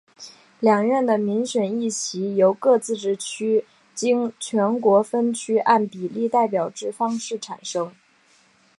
两院的民选议席由各自治区经全国分区按比例代表制方式产生。